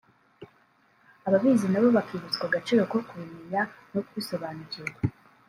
ababizi nabo bakibutswa agaciro ko kubimenya no kubisobanukirwa